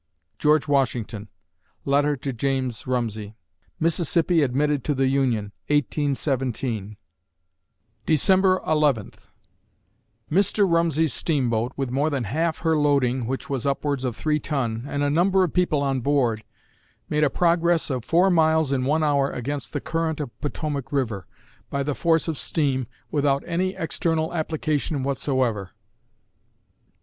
GEORGE WASHINGTON (Letter to James Rumsey) Mississippi admitted to the Union, 1817 December Eleventh Mr. Rumsey's steamboat, with more than half her loading (which was upwards of three ton) and a number of people on board, made a progress of four miles in one hour against the current of Potomac River, by the force of steam, without any external application whatsoever.